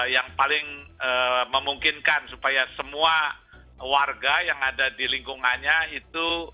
yang paling memungkinkan supaya semua warga yang ada di lingkungannya itu